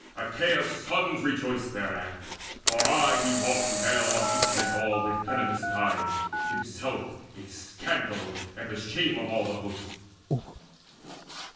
Achaea's sons Rejoiced thereat, for aye he wont to rail On each and all with venomous gibes, himself A scandal and the shame of all the host.